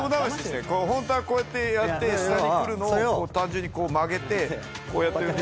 ホントはこうやってやって下にくるのを単純に曲げてこうやってると。